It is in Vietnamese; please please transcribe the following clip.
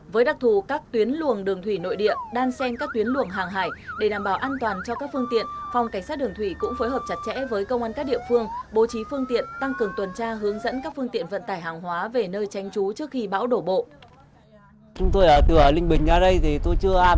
với đặc thù các tuyến luồng đường thủy nội địa đang xem các tuyến luồng hàng hải để đảm bảo an toàn cho các phương tiện phòng cảnh sát đường thủy cũng phối hợp chặt chẽ với công an các địa phương bố trí phương tiện tăng cường tuần tra hướng dẫn các phương tiện vận tải hàng hóa về nơi tranh trú trước khi bão đổ bộ